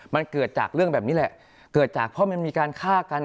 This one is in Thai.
มันเกิดจากเรื่องแบบนี้แหละเกิดจากเพราะมันมีการฆ่ากัน